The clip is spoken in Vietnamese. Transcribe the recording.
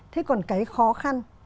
thế còn cái khó khăn